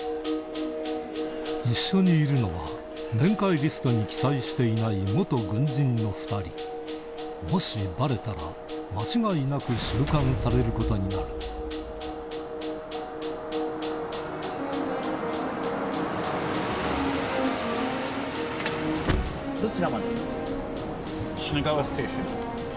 一緒にいるのは面会リストに記載していない軍人の２人もしバレたら間違いなく収監されることになるどちらまで？